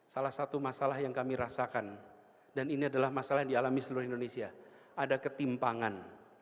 salah satu masalah yang kami rasakan dan ini adalah masalah yang dialami seluruh indonesia ada ketimpangan